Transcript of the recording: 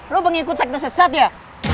loh pengikut sekte sesat ya